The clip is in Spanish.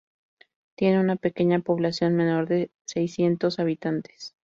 Tiene una pequeña población menor de seiscientos habitantes.